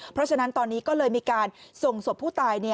เพราะฉะนั้นตอนนี้ก็เลยมีการส่งศพผู้ตาย